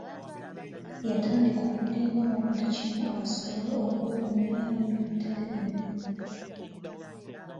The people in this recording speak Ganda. Yatandika okulimba mu buli kimu asobole okwewonya ebintu ebitali bimu.